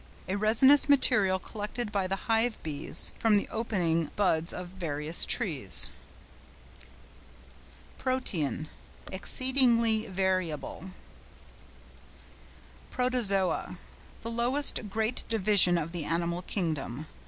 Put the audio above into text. —A resinous material collected by the hivebees from the opening buds of various trees. PROTEAN.—Exceedingly variable. PROTOZOA.—The lowest great division of the animal kingdom.